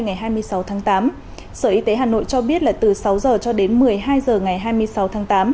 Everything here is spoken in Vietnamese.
ngày hai mươi sáu tháng tám sở y tế hà nội cho biết là từ sáu h cho đến một mươi hai h ngày hai mươi sáu tháng tám